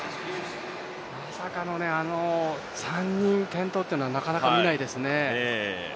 まさかの、あの３人転倒というのは、なかなか見ないですね。